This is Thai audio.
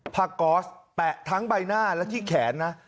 กอสแปะทั้งใบหน้าและที่แขนนะ